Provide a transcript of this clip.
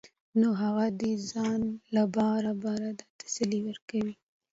نو هغه دې ځان له بار بار دا تسلي ورکوي